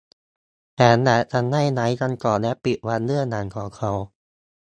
แสงแดดทำให้ไร้คำตอบและปิดบังเบื้องหลังของเขา